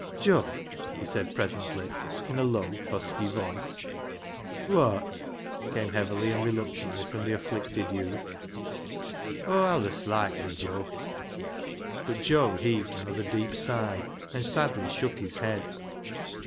" Joe," he said presently, in a low, husky voice. " Wot ?" came heavily and reluctantly from the afflicted youth. " Aw allis loiked thee, Joe." But Joe heaved another deep sigh, and sadly shook his head.